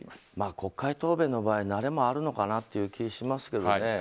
国会答弁の場合慣れもあるのかなという気はしますけどね。